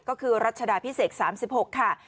ก็คือรัชดาพิเศษ๓๖ค่ะ